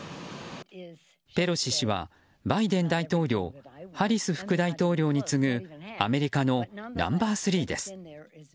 ペロシ氏はバイデン大統領ハリス副大統領に次ぐアメリカのナンバー３です。